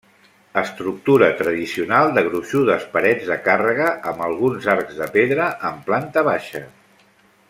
Estructura tradicional de gruixudes parets de càrrega amb alguns arcs de pedra en planta baixa.